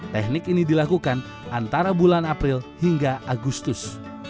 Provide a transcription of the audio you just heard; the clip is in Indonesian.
teknik ini dilakukan antara bulan april hingga agustus